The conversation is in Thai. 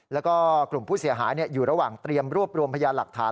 แล้วก็กลุ่มผู้เสียหายอยู่ระหว่างเตรียมรวบรวมพยานหลักฐาน